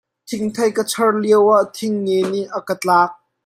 Thingthei ka char lioah thing nge nih a ka tlaak.